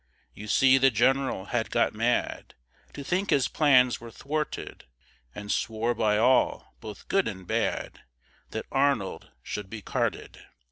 You see the general had got mad To think his plans were thwarted, And swore by all, both good and bad, That Arnold should be carted.